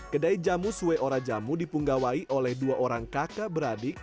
kedai jamu sue ora jamu dipunggawai oleh dua orang kakak beradik